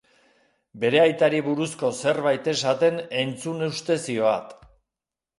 Bere aitari buruzko zerbait esaten entzun uste zioat.